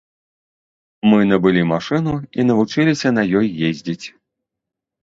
Мы набылі машыну і навучыліся на ёй ездзіць.